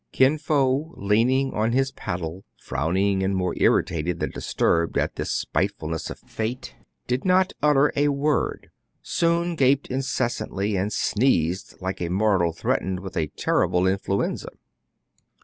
Kin Fo, leaning on his paddle, frowning and more irritated than disturbed at this spitefulnes» of fate, did not utter a word. Soun gaped inces santly, and sneezed like a mortal threatened with a terrible influenza.